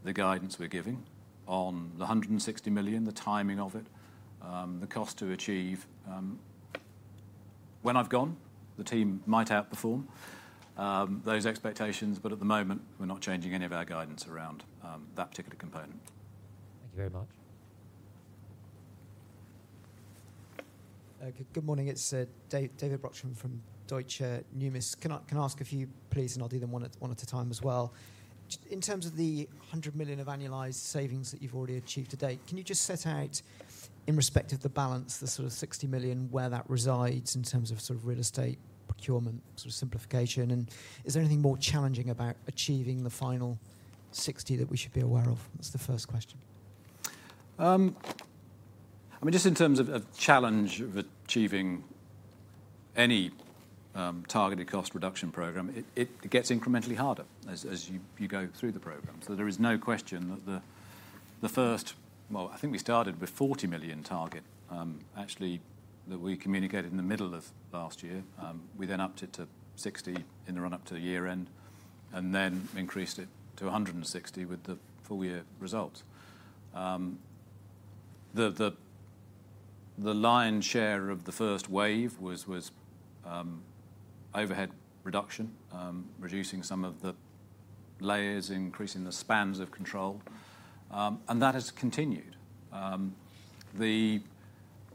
the guidance we're giving on the 160 million, the timing of it, the cost to achieve. When I've gone, the team might outperform those expectations, but at the moment, we're not changing any of our guidance around that particular component. Thank you very much. Good morning. It's David Brockton from Deutsche Numis. Can I ask a few please, and I'll do them one at a time as well. In terms of the 100 million of annualized savings that you've already achieved to date, can you just set out in respect of the balance, the sort of 60 million, where that resides in terms of sort of real estate procurement, sort of simplification? And is there anything more challenging about achieving the final 60 million that we should be aware of? That's the first question. I mean, just in terms of challenge of achieving any targeted cost reduction program, it gets incrementally harder as you go through the program. So there is no question that the first, well, I think we started with 40 million target actually that we communicated in the middle of last year. We then upped it to 60 in the run-up to the year-end and then increased it to 160 with the full year results. The lion's share of the first wave was overhead reduction, reducing some of the layers, increasing the spans of control. And that has continued.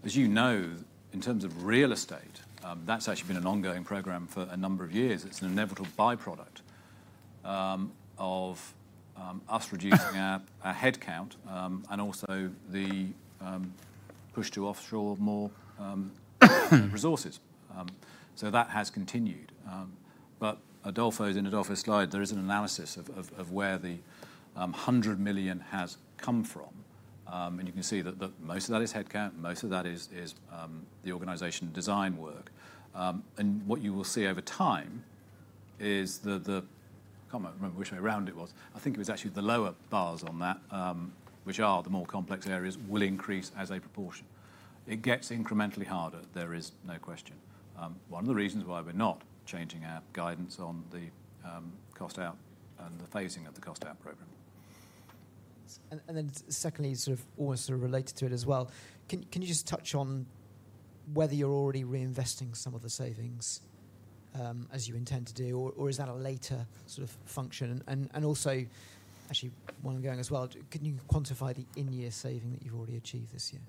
As you know, in terms of real estate, that's actually been an ongoing program for a number of years. It's an inevitable byproduct of us reducing our headcount and also the push to offshore more resources. So that has continued. But in Adolfo's slide, there is an analysis of where the 100 million has come from. And you can see that most of that is headcount. Most of that is the organization design work. And what you will see over time is the—I can't remember which way around it was. I think it was actually the lower bars on that, which are the more complex areas, will increase as a proportion. It gets incrementally harder, there is no question. One of the reasons why we're not changing our guidance on the cost out and the phasing of the cost out program. And then secondly, sort of almost related to it as well, can you just touch on whether you're already reinvesting some of the savings as you intend to do, or is that a later sort of function? And also actually one going as well, can you quantify the in-year saving that you've already achieved this year?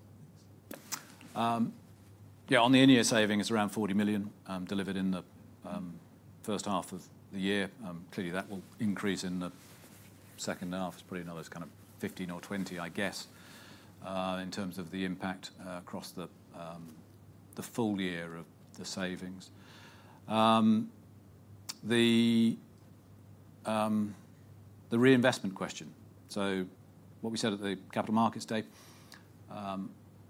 Yeah. On the in-year savings, around 40 million delivered in the first half of the year. Clearly, that will increase in the second half, probably another kind of 15 or 20, I guess, in terms of the impact across the full year of the savings. The reinvestment question. So what we said at the Capital Markets Day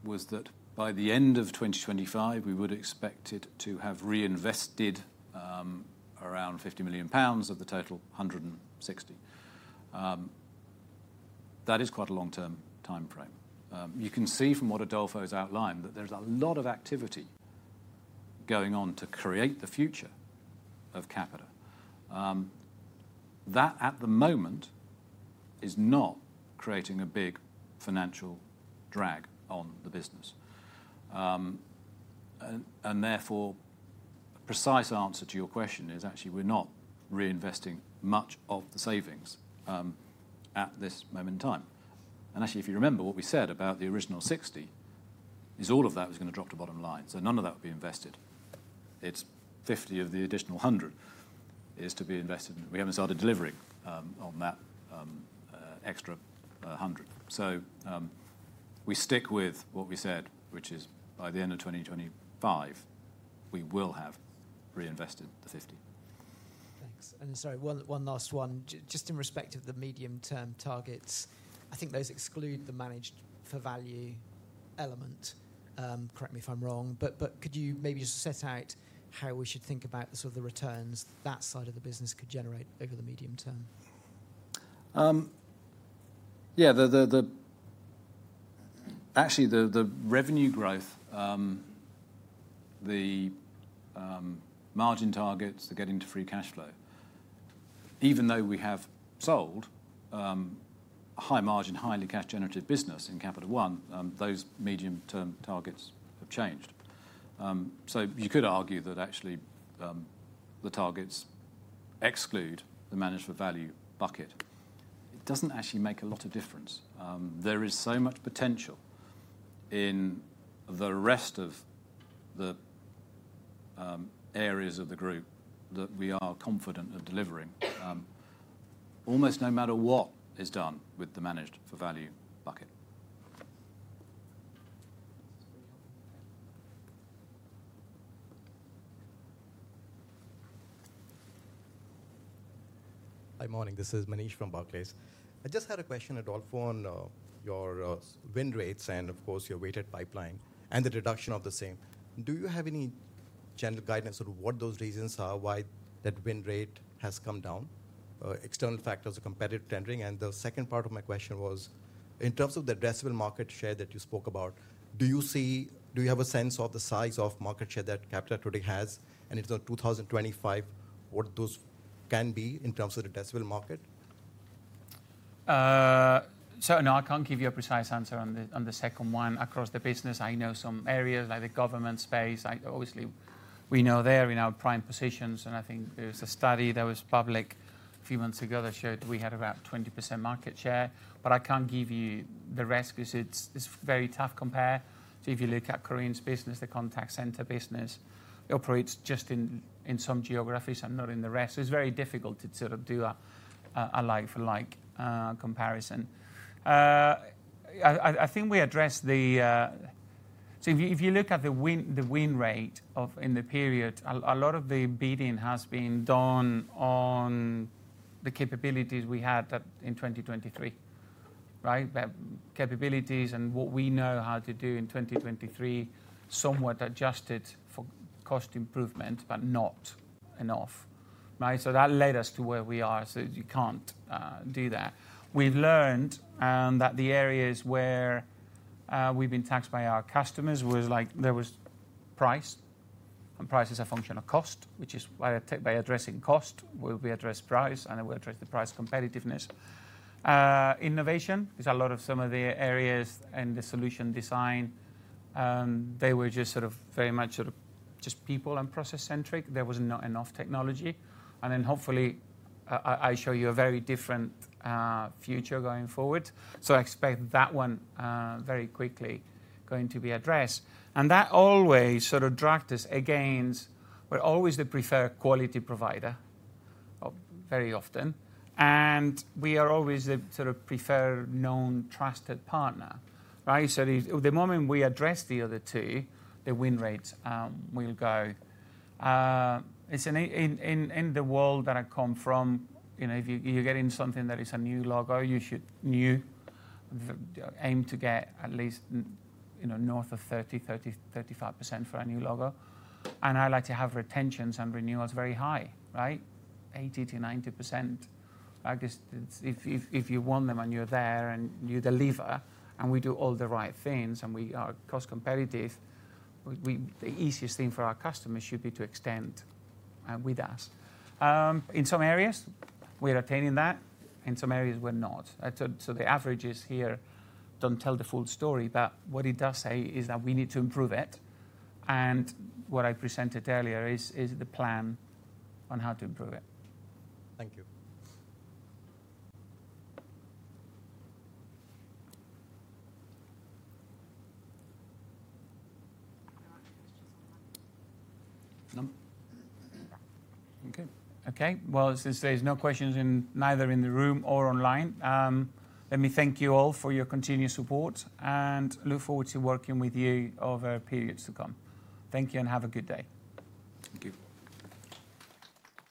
was that by the end of 2025, we would expect it to have reinvested around 50 million pounds of the total 160 million. That is quite a long-term time frame. You can see from what Adolfo has outlined that there's a lot of activity going on to create the future of Capita. That at the moment is not creating a big financial drag on the business. And therefore, a precise answer to your question is actually we're not reinvesting much of the savings at this moment in time. And actually, if you remember what we said about the original 60 million, all of that was going to drop to bottom line. So none of that would be invested. It's 50 of the additional 100 is to be invested. We haven't started delivering on that extra 100. So we stick with what we said, which is by the end of 2025, we will have reinvested the 50. Thanks. And sorry, one last one. Just in respect of the medium-term targets, I think those exclude the Managed for Value element. Correct me if I'm wrong. But could you maybe just set out how we should think about the sort of the returns that side of the business could generate over the medium term? Yeah. Actually, the revenue growth, the margin targets, the getting to free cash flow, even though we have sold a high margin, highly cash-generative business in Capita One, those medium-term targets have changed. So you could argue that actually the targets exclude the Managed for Value bucket. It doesn't actually make a lot of difference. There is so much potential in the rest of the areas of the group that we are confident of delivering, almost no matter what is done with the Managed for Value bucket. Hi, morning. This is Manish from Barclays. I just had a question, Adolfo, on your win rates and, of course, your weighted pipeline and the reduction of the same. Do you have any general guidance on what those reasons are, why that win rate has come down, external factors or competitive tendering? And the second part of my question was, in terms of the addressable market share that you spoke about, do you have a sense of the size of market share that Capita today has? And in 2025, what those can be in terms of the addressable market? So no, I can't give you a precise answer on the second one. Across the business, I know some areas like the government space. Obviously, we know they're in our prime positions. I think there's a study that was public a few months ago that showed we had about 20% market share. But I can't give you the mix because it's very tough compare. So if you look at Corinne's business, the contact center business, it operates just in some geographies and not in the rest. So it's very difficult to sort of do a like-for-like comparison. I think we addressed the—so if you look at the win rate in the period, a lot of the bidding has been done on the capabilities we had in 2023, right? Capabilities and what we know how to do in 2023, somewhat adjusted for cost improvement, but not enough, right? So that led us to where we are. So you can't do that. We've learned that the areas where we've been taxed by our customers was like there was price, and price is a function of cost, which is by addressing cost, we'll be addressed price, and then we'll address the price competitiveness. Innovation is a lot of some of the areas and the solution design. They were just sort of very much sort of just people and process-centric. There was not enough technology. And then hopefully, I show you a very different future going forward. So I expect that one very quickly going to be addressed. And that always sort of drags us against - we're always the preferred quality provider very often. And we are always the sort of preferred known trusted partner, right? So the moment we address the other two, the win rates will go. In the world that I come from, if you're getting something that is a new logo, you should aim to get at least north of 30%-35% for a new logo. And I like to have retentions and renewals very high, right? 80%-90%. If you want them and you're there and you deliver and we do all the right things and we are cost competitive, the easiest thing for our customers should be to extend with us. In some areas, we're attaining that. In some areas, we're not. So the averages here don't tell the full story. But what it does say is that we need to improve it. And what I presented earlier is the plan on how to improve it. Thank you. Okay. Okay. Well, since there's no questions neither in the room or online, let me thank you all for your continued support and look forward to working with you over periods to come. Thank you and have a good day. Thank you.